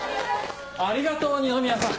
ありがとう二宮さん。